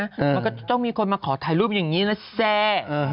มันก็ต้องมีคนมาขอถ่ายรูปอย่างนี้นะแซ่